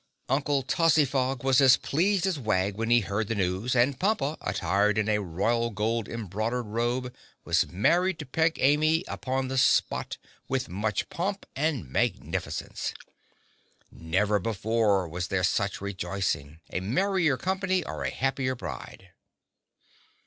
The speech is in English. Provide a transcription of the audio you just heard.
Uncle Tozzyfog was as pleased as Wag when he heard the news, and Pompa, attired in a royal gold embroidered robe, was married to Peg Amy upon the spot, with much pomp and magnificence. Never before was there such rejoicing—a merrier company or a happier bride.